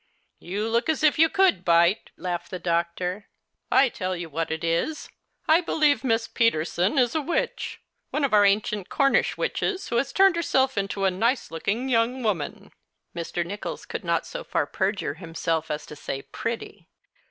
You look as if you could bite !" laughed the doctor. " I tell you what it is, I believe Miss Peterson is a witch — one of our ancient Cornish witches who has turned herself into a nice looking young woman." Mv. Nicholls could not so far perjure himself as to say pretty.